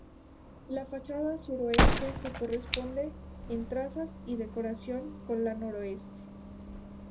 La fachada suroeste se corresponde en trazas y decoración con la noreste.